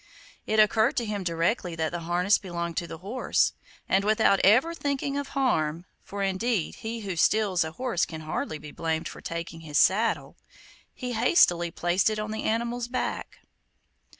It occurred to him directly that the harness belonged to the horse, and without ever thinking of harm (for indeed he who steals a horse can hardly be blamed for taking his saddle), he hastily placed it on the animal's back.